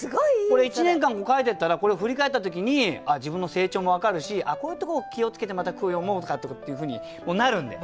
これ１年間も書いてったらこれ振り返った時に自分の成長も分かるしこういうところ気を付けてまた句を詠もうとかっていうふうになるんで。